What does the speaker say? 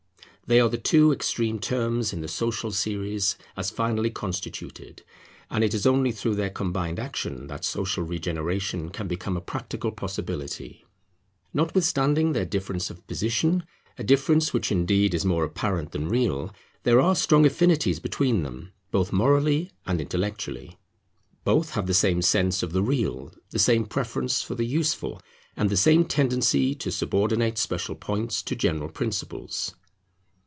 They are the two extreme terms in the social series as finally constituted; and it is only through their combined action that social regeneration can become a practical possibility. Notwithstanding their difference of position, a difference which indeed is more apparent than real, there are strong affinities between them, both morally and intellectually. Both have the same sense of the real, the same preference for the useful, and the same tendency to subordinate special points to general principles.